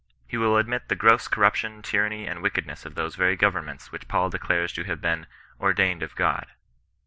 He will admit the gross corruption, tyranny, and wickedness of those very governments which Paul declares to have been " ordained of God."